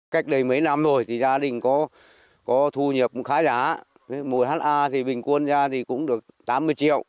cách đây mấy năm rồi thì gia đình có thu nhập khá giá một hectare thì bình quân ra thì cũng được tám mươi triệu